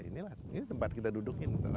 ini lah ini tempat kita dudukin